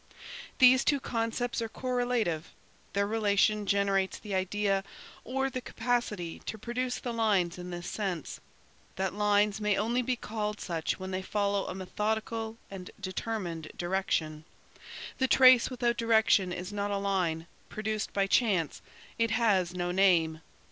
"These two concepts are correlative, their relation generates the idea, or the capacity to produce the lines in this sense; that lines may only be called such when they follow a methodical and determined direction: the trace without direction is not a line; produced by chance, it has no name.